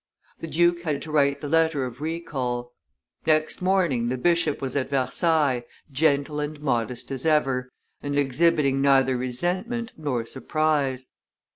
The duke had to write the letter of recall. Next morning the bishop was at Versailles, gentle and modest as ever, and exhibiting neither resentment nor surprise.